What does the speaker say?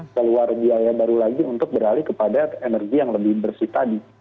keluar biaya baru lagi untuk beralih kepada energi yang lebih bersih tadi